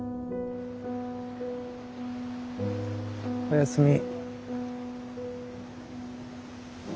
おやすみ。